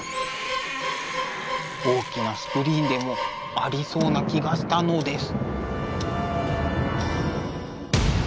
大きなスクリーンでもありそうな気がしたのです。